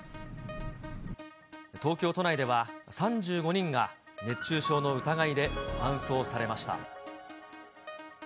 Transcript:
東京都内では３５人が、熱中症の疑いで搬送されました。